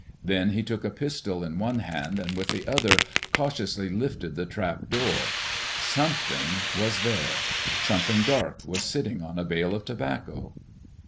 Then he took a pistol in one hand, and with the other cautiously lifted the trap door. Some' thing was there ! Something dark was sitting on a bale of tobacco.